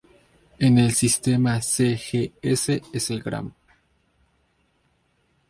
En el sistema cgs es el gramo.